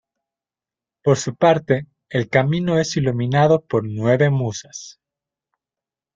Por su parte, el camino es iluminado por nueve musas.